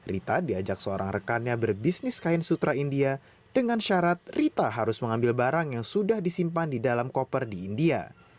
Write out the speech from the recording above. rita diajak seorang rekannya berbisnis kain sutra india dengan syarat rita harus mengambil barang yang sudah disimpan di dalam koper di india